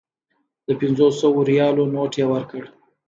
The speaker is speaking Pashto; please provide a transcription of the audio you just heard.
د پنځو سوو ریالو نوټ یې ورکړ.